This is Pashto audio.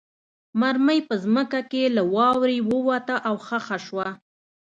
مرمۍ په ځمکه کې له واورې ووته او خښه شوه